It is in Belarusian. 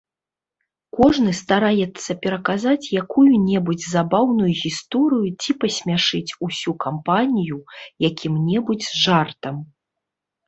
Кожны стараецца пераказаць якую-небудзь забаўную гісторыю ці пасмяшыць усю кампанію якім-небудзь жартам.